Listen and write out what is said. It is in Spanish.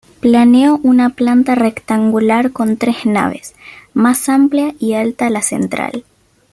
Planeó una planta rectangular con tres naves, más amplia y alta la central.